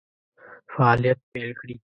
فعالیت پیل کړي.